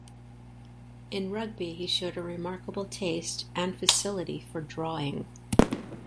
In Rugby he showed "a remarkable taste and facility for drawing".